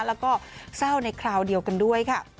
แล้วก็เศร้าในคราวเดียวกันด้วยค่ะ